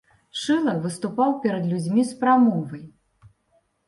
Шыла выступаў перад людзьмі з прамовай.